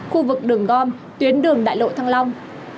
khu vực đường gom tuyến đường đại lộ thăng long